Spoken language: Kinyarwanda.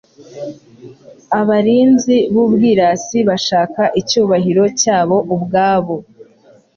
abarinzi b'ubwirasi bashaka icyubahiro cyabo ubwabo.